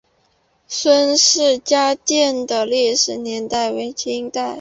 孙氏家庙的历史年代为清代。